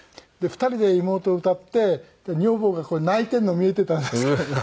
２人で『妹』を歌って女房がここで泣いてるの見えてたんですけどね。